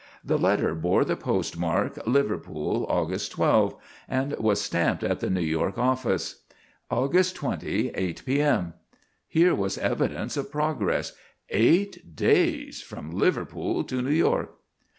The letter bore the postmark, "Liverpool, August 12," and was stamped at the New York office, "August 20, 8 P.M." Here was evidence of progress. _Eight days from Liverpool to New York!